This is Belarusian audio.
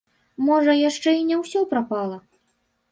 Можа, яшчэ і не ўсё прапала?